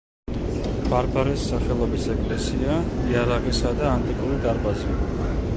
ბარბარეს სახელობის ეკლესია, იარაღისა და ანტიკური დარბაზი.